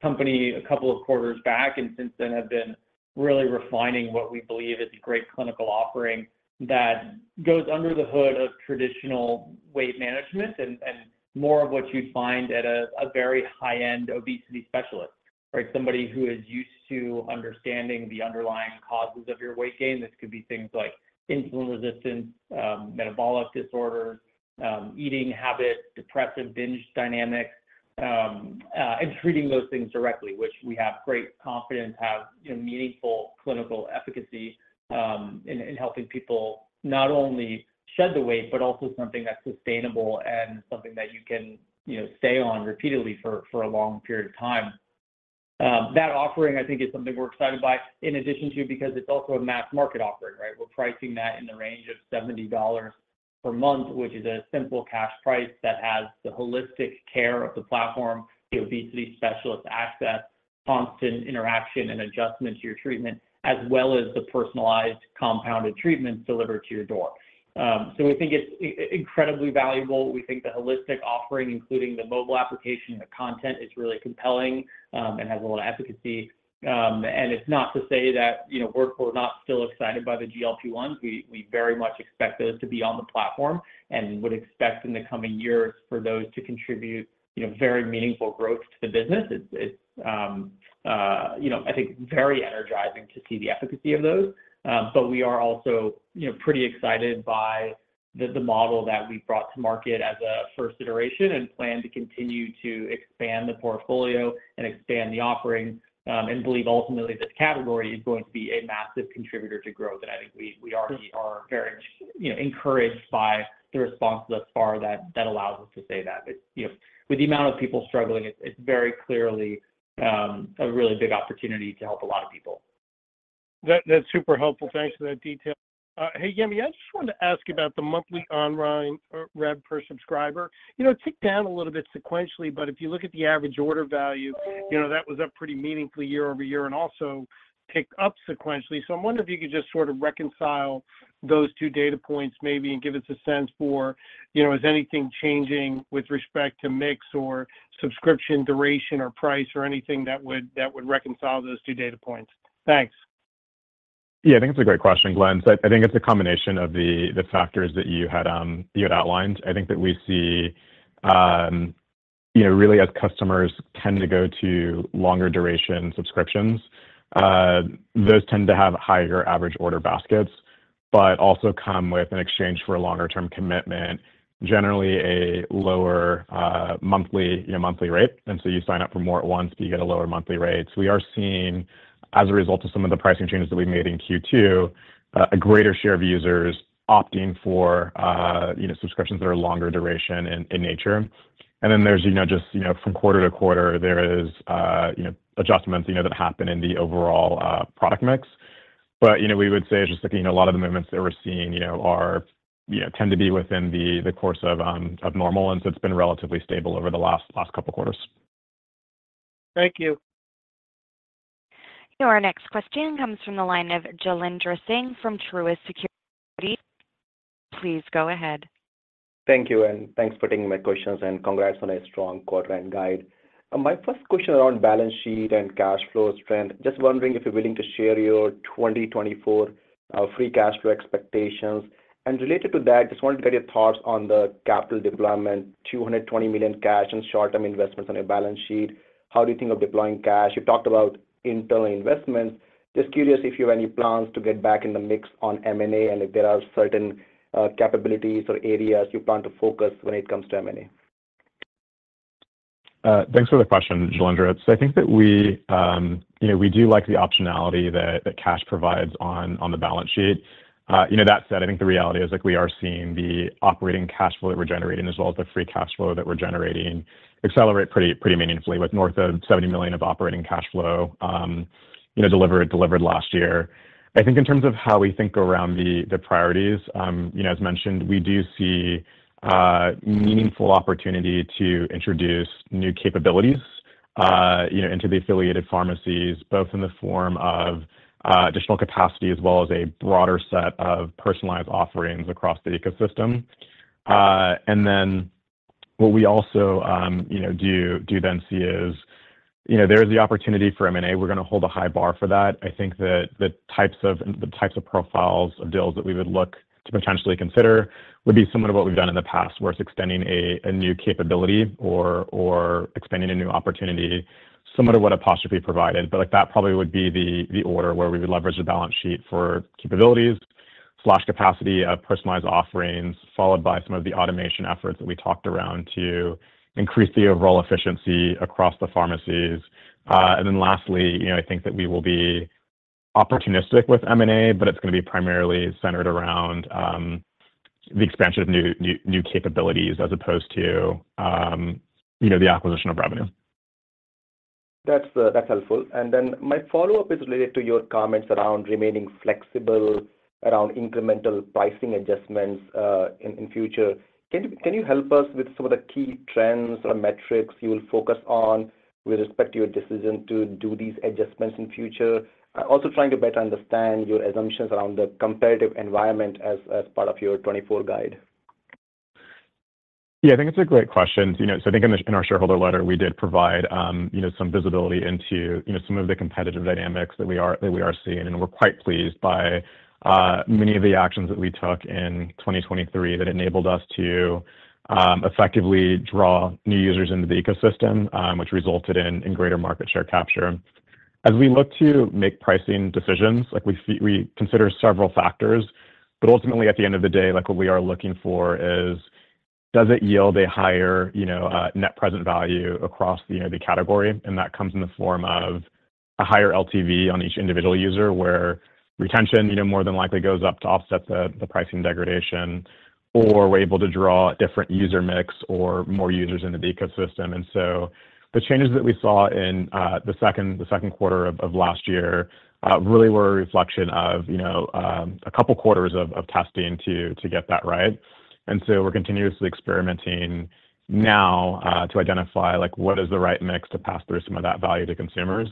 company a couple of quarters back and since then have been really refining what we believe is a great clinical offering that goes under the hood of traditional weight management and more of what you'd find at a very high-end obesity specialist, right, somebody who is used to understanding the underlying causes of your weight gain. This could be things like insulin resistance, metabolic disorders, eating habits, depressive binge dynamics, and treating those things directly, which we have great confidence have meaningful clinical efficacy in helping people not only shed the weight but also something that's sustainable and something that you can stay on repeatedly for a long period of time. That offering, I think, is something we're excited by in addition to because it's also a mass-market offering, right? We're pricing that in the range of $70 per month, which is a simple cash price that has the holistic care of the platform, the obesity specialist access, constant interaction and adjustment to your treatment, as well as the personalized compounded treatments delivered to your door. So we think it's incredibly valuable. We think the holistic offering, including the mobile application, the content, is really compelling and has a lot of efficacy. And it's not to say that we're not still excited by the GLP-1s. We very much expect those to be on the platform and would expect in the coming years for those to contribute very meaningful growth to the business. It's, I think, very energizing to see the efficacy of those. But we are also pretty excited by the model that we brought to market as a first iteration and plan to continue to expand the portfolio and expand the offering and believe ultimately this category is going to be a massive contributor to growth. And I think we already are very encouraged by the response thus far that allows us to say that. With the amount of people struggling, it's very clearly a really big opportunity to help a lot of people. That's super helpful. Thanks for that detail. Hey, Yemi, I just wanted to ask about the monthly online revenue per subscriber. Tick down a little bit sequentially, but if you look at the average order value, that was up pretty meaningfully year-over-year and also picked up sequentially. So I'm wondering if you could just sort of reconcile those two data points maybe and give us a sense for, is anything changing with respect to mix or subscription duration or price or anything that would reconcile those two data points? Thanks. Yeah. I think it's a great question, Glen. I think it's a combination of the factors that you had outlined. I think that we see really, as customers tend to go to longer duration subscriptions, those tend to have higher average order baskets but also come with, in exchange for a longer-term commitment, generally a lower monthly rate. And so you sign up for more at once, but you get a lower monthly rate. So we are seeing, as a result of some of the pricing changes that we've made in Q2, a greater share of users opting for subscriptions that are longer duration in nature. And then there's just, from quarter to quarter, there is adjustments that happen in the overall product mix. But we would say, just looking, a lot of the movements that we're seeing tend to be within the course of normal. It's been relatively stable over the last couple of quarters. Thank you. Your next question comes from the line of Jailendra Singh from Truist Securities. Please go ahead. Thank you. And thanks for taking my questions. And congrats on a strong quarter-end guide. My first question around balance sheet and cash flow strength, just wondering if you're willing to share your 2024 free cash flow expectations. And related to that, just wanted to get your thoughts on the capital deployment, $220 million cash and short-term investments on your balance sheet. How do you think of deploying cash? You talked about internal investments. Just curious if you have any plans to get back in the mix on M&A and if there are certain capabilities or areas you plan to focus when it comes to M&A. Thanks for the question, Jailendra. So I think that we do like the optionality that cash provides on the balance sheet. That said, I think the reality is we are seeing the operating cash flow that we're generating as well as the free cash flow that we're generating accelerate pretty meaningfully with north of $70 million of operating cash flow delivered last year. I think in terms of how we think around the priorities, as mentioned, we do see meaningful opportunity to introduce new capabilities into the affiliated pharmacies, both in the form of additional capacity as well as a broader set of personalized offerings across the ecosystem. And then what we also do then see is there is the opportunity for M&A. We're going to hold a high bar for that. I think that the types of profiles of deals that we would look to potentially consider would be similar to what we've done in the past, where it's extending a new capability or expanding a new opportunity, similar to what Apostrophe provided. But that probably would be the order where we would leverage the balance sheet for capabilities or capacity of personalized offerings, followed by some of the automation efforts that we talked around to increase the overall efficiency across the pharmacies. And then lastly, I think that we will be opportunistic with M&A, but it's going to be primarily centered around the expansion of new capabilities as opposed to the acquisition of revenue. That's helpful. And then my follow-up is related to your comments around remaining flexible, around incremental pricing adjustments in future. Can you help us with some of the key trends or metrics you will focus on with respect to your decision to do these adjustments in future? Also trying to better understand your assumptions around the competitive environment as part of your 2024 guide. Yeah. I think it's a great question. So I think in our shareholder letter, we did provide some visibility into some of the competitive dynamics that we are seeing. And we're quite pleased by many of the actions that we took in 2023 that enabled us to effectively draw new users into the ecosystem, which resulted in greater market share capture. As we look to make pricing decisions, we consider several factors. But ultimately, at the end of the day, what we are looking for is, does it yield a higher net present value across the category? And that comes in the form of a higher LTV on each individual user where retention more than likely goes up to offset the pricing degradation, or we're able to draw a different user mix or more users into the ecosystem. And so the changes that we saw in the second quarter of last year really were a reflection of a couple of quarters of testing to get that right. And so we're continuously experimenting now to identify what is the right mix to pass through some of that value to consumers.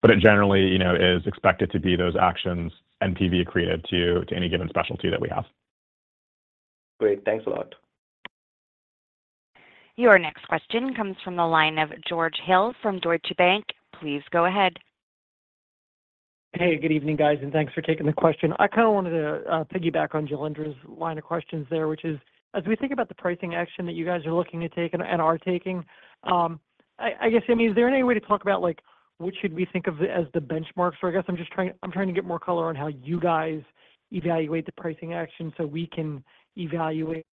But it generally is expected to be those actions NPV created to any given specialty that we have. Great. Thanks a lot. Your next question comes from the line of George Hill from Deutsche Bank. Please go ahead. Hey. Good evening, guys. Thanks for taking the question. I kind of wanted to piggyback on Jailendra's line of questions there, which is, as we think about the pricing action that you guys are looking to take and are taking, I guess, Yemi, is there any way to talk about what should we think of as the benchmarks? Or I guess I'm trying to get more color on how you guys evaluate the pricing action so we can evaluate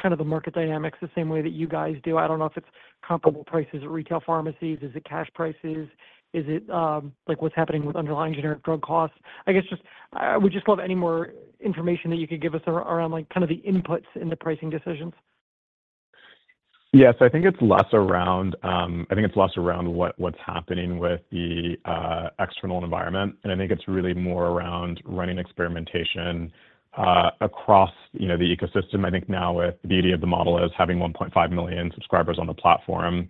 kind of the market dynamics the same way that you guys do. I don't know if it's comparable prices at retail pharmacies. Is it cash prices? Is it what's happening with underlying generic drug costs? I guess we'd just love any more information that you could give us around kind of the inputs in the pricing decisions. Yeah. So I think it's less around what's happening with the external environment. And I think it's really more around running experimentation across the ecosystem. I think now the beauty of the model is having 1.5 million subscribers on the platform.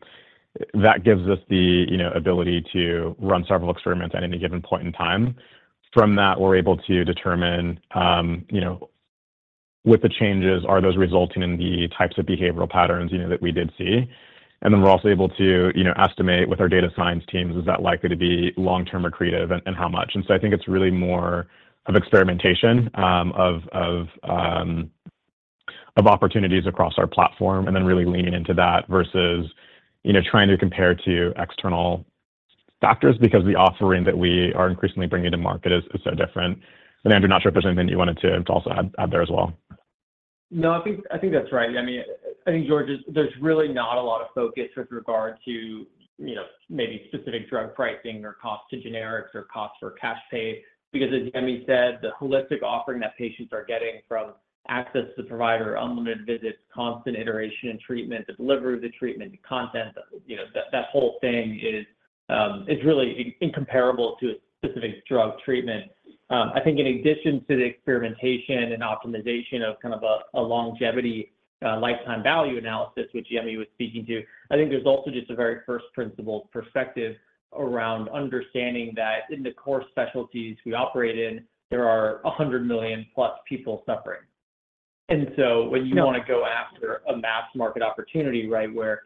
That gives us the ability to run several experiments at any given point in time. From that, we're able to determine, with the changes, are those resulting in the types of behavioral patterns that we did see? And then we're also able to estimate with our data science teams, is that likely to be long-term or creative, and how much? And so I think it's really more of experimentation of opportunities across our platform and then really leaning into that versus trying to compare to external factors because the offering that we are increasingly bringing to market is so different. Andrew, I'm not sure if there's anything you wanted to also add there as well. No. I think that's right. I mean, I think, George, there's really not a lot of focus with regard to maybe specific drug pricing or cost to generics or cost for cash pay because, as Yemi said, the holistic offering that patients are getting from access to the provider, unlimited visits, constant iteration and treatment, the delivery of the treatment, the content, that whole thing is really incomparable to a specific drug treatment. I think in addition to the experimentation and optimization of kind of a longevity lifetime value analysis, which Yemi was speaking to, I think there's also just a very first-principle perspective around understanding that in the core specialties we operate in, there are 100 million-plus people suffering. And so when you want to go after a mass market opportunity, right, where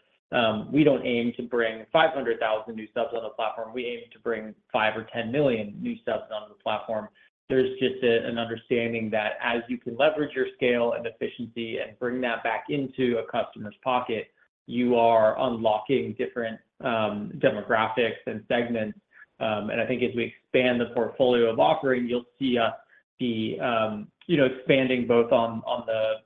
we don't aim to bring 500,000 new subs on the platform, we aim to bring five or 10 million new subs onto the platform. There's just an understanding that as you can leverage your scale and efficiency and bring that back into a customer's pocket, you are unlocking different demographics and segments. I think as we expand the portfolio of offering, you'll see us be expanding both on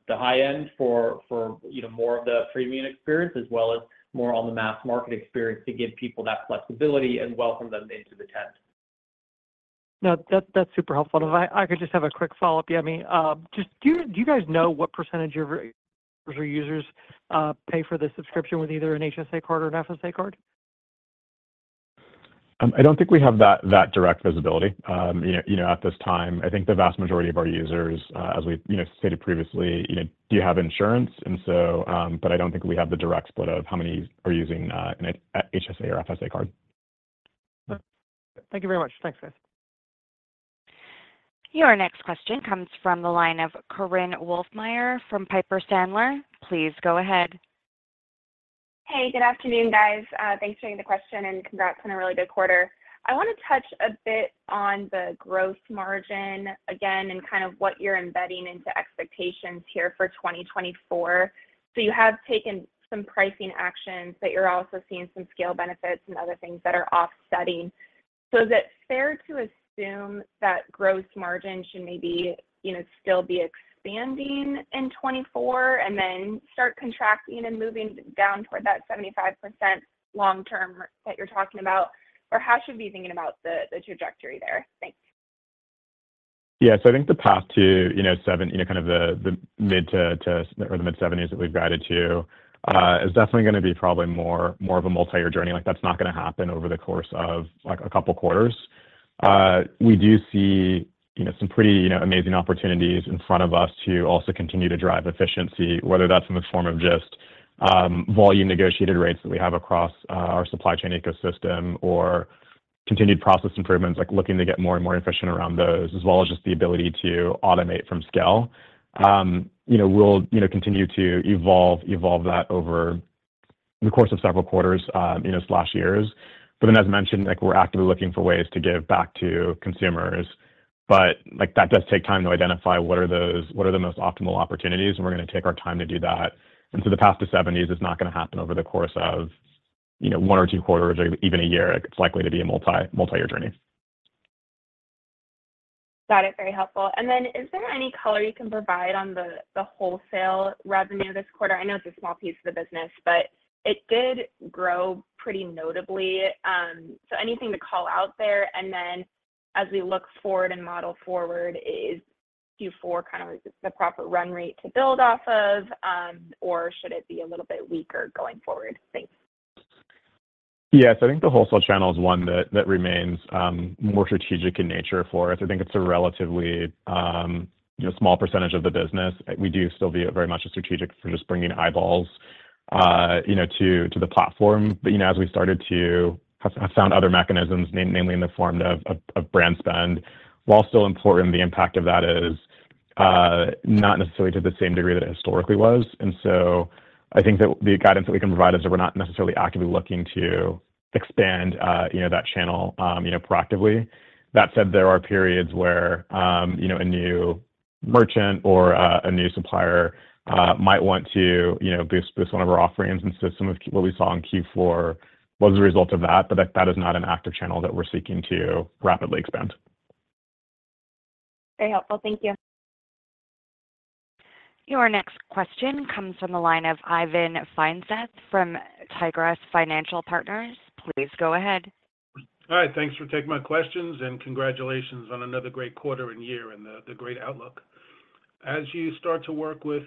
the high end for more of the premium experience as well as more on the mass market experience to give people that flexibility and welcome them into the tent. No. That's super helpful. If I could just have a quick follow-up, Yemi, do you guys know what percentage of your users pay for the subscription with either an HSA card or an FSA card? I don't think we have that direct visibility at this time. I think the vast majority of our users, as we stated previously, do have insurance. But I don't think we have the direct split of how many are using an HSA or FSA card. Thank you very much. Thanks, guys. Your next question comes from the line of Korinne Wolfmeyer from Piper Sandler. Please go ahead. Hey. Good afternoon, guys. Thanks for taking the question, and congrats on a really good quarter. I want to touch a bit on the gross margin again and kind of what you're embedding into expectations here for 2024. So you have taken some pricing actions, but you're also seeing some scale benefits and other things that are offsetting. So is it fair to assume that gross margin should maybe still be expanding in 2024 and then start contracting and moving down toward that 75% long term that you're talking about? Or how should we be thinking about the trajectory there? Thanks. Yeah. So I think the path to kind of the mid to or the mid-70s that we've guided to is definitely going to be probably more of a multi-year journey. That's not going to happen over the course of a couple of quarters. We do see some pretty amazing opportunities in front of us to also continue to drive efficiency, whether that's in the form of just volume-negotiated rates that we have across our supply chain ecosystem or continued process improvements, looking to get more and more efficient around those, as well as just the ability to automate from scale. We'll continue to evolve that over the course of several quarters/years. But then, as mentioned, we're actively looking for ways to give back to consumers. But that does take time to identify what are the most optimal opportunities. And we're going to take our time to do that. And so the path to 70s is not going to happen over the course of one or two quarters or even a year. It's likely to be a multi-year journey. Got it. Very helpful. And then is there any color you can provide on the wholesale revenue this quarter? I know it's a small piece of the business, but it did grow pretty notably. So anything to call out there? And then as we look forward and model forward, is Q4 kind of the proper run rate to build off of, or should it be a little bit weaker going forward? Thanks. Yeah. So I think the wholesale channel is one that remains more strategic in nature for us. I think it's a relatively small percentage of the business. We do still view it very much as strategic for just bringing eyeballs to the platform. But as we started to have found other mechanisms, namely in the form of brand spend, while still important, the impact of that is not necessarily to the same degree that it historically was. And so I think that the guidance that we can provide is that we're not necessarily actively looking to expand that channel proactively. That said, there are periods where a new merchant or a new supplier might want to boost one of our offerings. And so some of what we saw in Q4 was a result of that. But that is not an active channel that we're seeking to rapidly expand. Very helpful. Thank you. Your next question comes from the line of Ivan Feinseth from Tigress Financial Partners. Please go ahead. Hi. Thanks for taking my questions, and congratulations on another great quarter and year and the great outlook. As you start to work with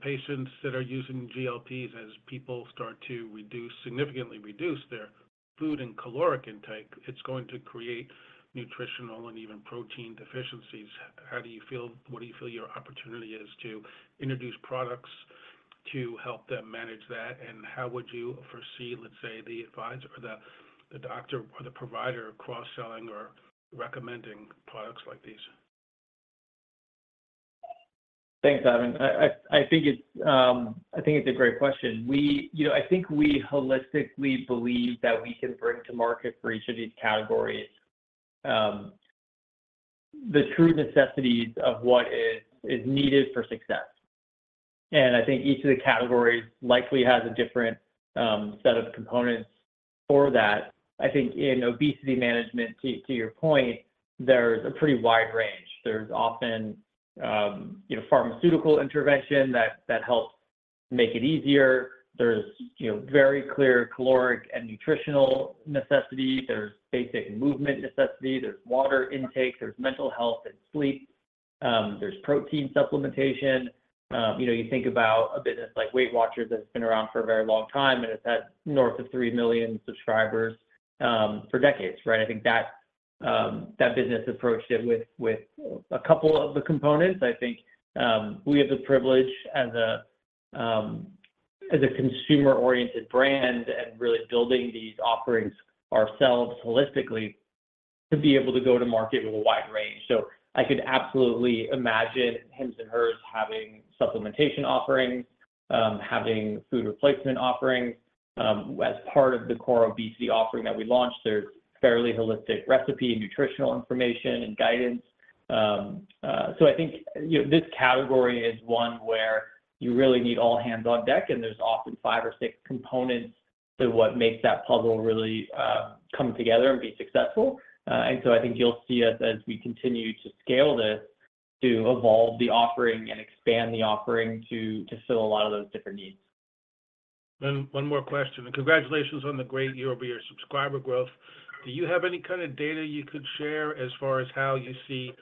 patients that are using GLPs, as people start to significantly reduce their food and caloric intake, it's going to create nutritional and even protein deficiencies. How do you feel? What do you feel your opportunity is to introduce products to help them manage that? And how would you foresee, let's say, the advice or the doctor or the provider cross-selling or recommending products like these? Thanks, Ivan. I think it's a great question. I think we holistically believe that we can bring to market for each of these categories the true necessities of what is needed for success. I think each of the categories likely has a different set of components for that. I think in obesity management, to your point, there's a pretty wide range. There's often pharmaceutical intervention that helps make it easier. There's very clear caloric and nutritional necessity. There's basic movement necessity. There's water intake. There's mental health and sleep. There's protein supplementation. You think about a business like Weight Watchers that's been around for a very long time and has had north of three million subscribers for decades, right? I think that business approached it with a couple of the components. I think we have the privilege, as a consumer-oriented brand and really building these offerings ourselves holistically, to be able to go to market with a wide range. So I could absolutely imagine Hims & Hers having supplementation offerings, having food replacement offerings. As part of the core obesity offering that we launched, there's fairly holistic recipe and nutritional information and guidance. So I think this category is one where you really need all hands on deck, and there's often five or six components to what makes that puzzle really come together and be successful. And so I think you'll see us, as we continue to scale this, to evolve the offering and expand the offering to fill a lot of those different needs. One more question. Congratulations on the great year-over-year subscriber growth. Do you have any kind of data you could share as far as how you see,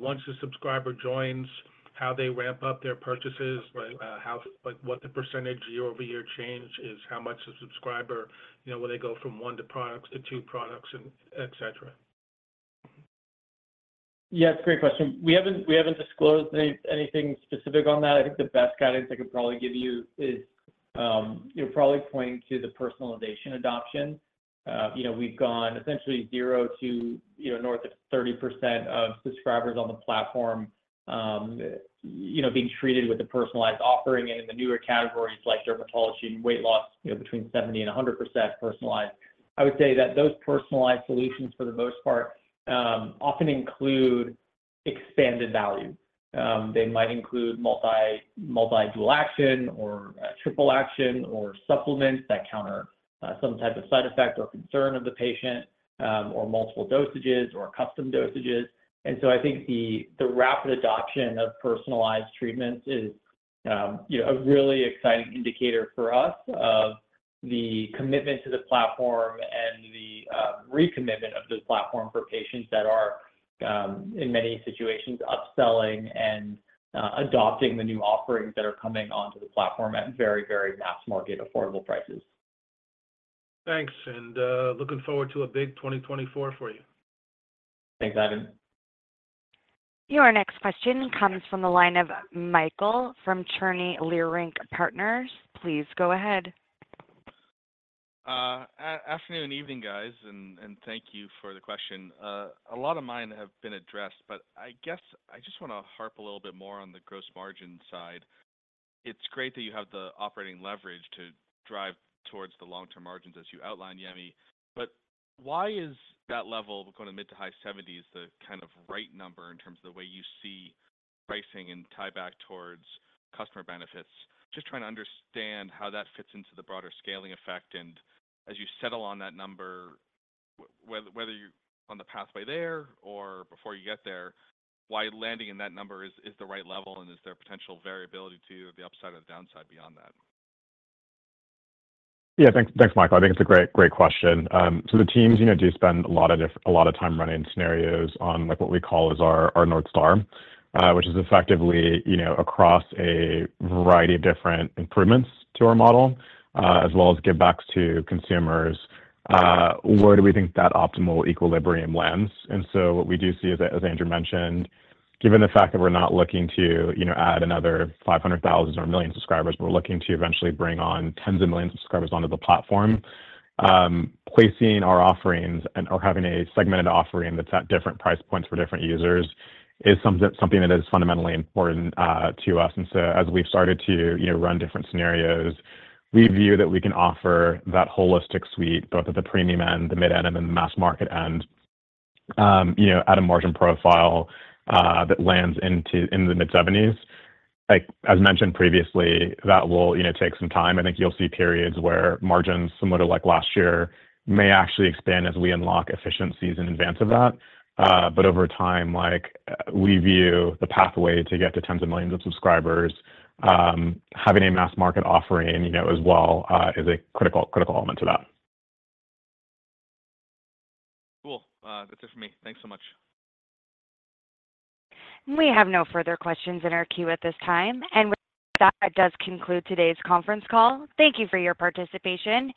once a subscriber joins, how they ramp up their purchases, what the percentage year-over-year change is, how much a subscriber will they go from one product to two products, etc.? Yeah. It's a great question. We haven't disclosed anything specific on that. I think the best guidance I could probably give you is you're probably pointing to the personalization adoption. We've gone essentially zero to north of 30% of subscribers on the platform being treated with a personalized offering. And in the newer categories like dermatology and weight loss, between 70% and 100% personalized, I would say that those personalized solutions, for the most part, often include expanded value. They might include multi-dual action or triple action or supplements that counter some type of side effect or concern of the patient or multiple dosages or custom dosages. And so I think the rapid adoption of personalized treatments is a really exciting indicator for us of the commitment to the platform and the recommitment of the platform for patients that are, in many situations, upselling and adopting the new offerings that are coming onto the platform at very, very mass market affordable prices. Thanks. Looking forward to a big 2024 for you. Thanks, Ivan. Your next question comes from the line of Michael Cherny from Leerink Partners. Please go ahead. Afternoon and evening, guys. And thank you for the question. A lot of mine have been addressed, but I guess I just want to harp a little bit more on the gross margin side. It's great that you have the operating leverage to drive towards the long-term margins, as you outlined, Yemi. But why is that level going to mid- to high 70s the kind of right number in terms of the way you see pricing and tie back towards customer benefits? Just trying to understand how that fits into the broader scaling effect. And as you settle on that number, whether you're on the pathway there or before you get there, why landing in that number is the right level, and is there potential variability to the upside or the downside beyond that? Yeah. Thanks, Michael. I think it's a great question. So the teams do spend a lot of time running scenarios on what we call our North Star, which is effectively across a variety of different improvements to our model as well as give-backs to consumers. Where do we think that optimal equilibrium lands? And so what we do see is, as Andrew mentioned, given the fact that we're not looking to add another 500,000 or one million subscribers, we're looking to eventually bring on tens of millions of subscribers onto the platform. Placing our offerings or having a segmented offering that's at different price points for different users is something that is fundamentally important to us. And so as we've started to run different scenarios, we view that we can offer that holistic suite both at the premium end, the mid end, and then the mass market end at a margin profile that lands in the mid-70s. As mentioned previously, that will take some time. I think you'll see periods where margins, similar to last year, may actually expand as we unlock efficiencies in advance of that. But over time, we view the pathway to get to tens of millions of subscribers, having a mass market offering as well, as a critical element to that. Cool. That's it for me. Thanks so much. We have no further questions in our queue at this time. With that, that does conclude today's conference call. Thank you for your participation,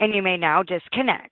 and you may now disconnect.